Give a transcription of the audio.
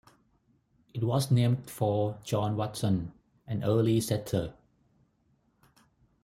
It was named for John Watson, an early settler.